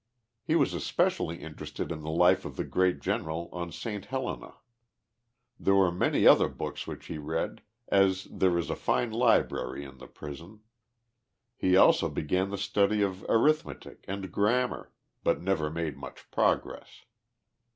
He was especially interested in the life of the great general on St. Helena. There were many other books which he read, as there is a line library in the prison. He also began the study of arithmetic and grammar, but never made much progress.